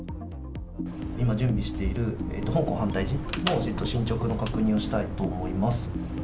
今、準備している香港繁体字の進捗の確認をしたいと思います。